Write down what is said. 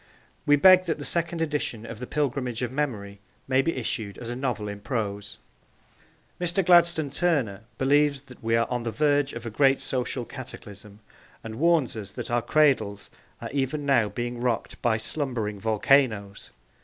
We beg that the second edition of The Pilgrimage of Memory may be issued as a novel in prose. Mr. Gladstone Turner believes that we are on the verge of a great social cataclysm, and warns us that our cradles are even now being rocked by slumbering volcanoes!